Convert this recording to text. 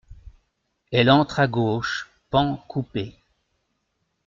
Elle entre à gauche, pan coupé.